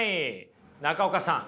中岡さん